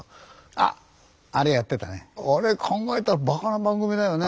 あれ考えたらバカな番組だよね。